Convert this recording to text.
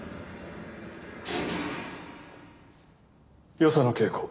与謝野慶子